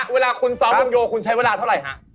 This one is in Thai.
เวลาคุณซ้อมวงโยคุณใช้เวลาเท่าไหร่ฮะ